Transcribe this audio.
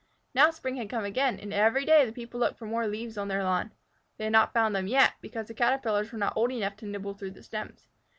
Now spring had come again, and every day the people looked for more leaves on their lawn. They had not found them yet, because the Caterpillars were not old enough to nibble through the stems.